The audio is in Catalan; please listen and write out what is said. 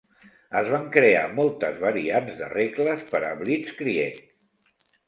Es van crear moltes variants de regles per a "Blitzkrieg".